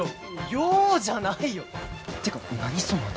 ようじゃないよてか何その頭。